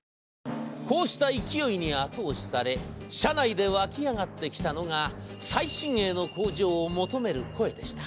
こうした勢いに後押しされ社内でわき上がってきたのが最新鋭の工場を求める声でした。